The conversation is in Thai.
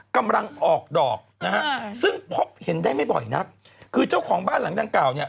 กำลังออกดอกนะฮะซึ่งพบเห็นได้ไม่บ่อยนักคือเจ้าของบ้านหลังดังกล่าวเนี่ย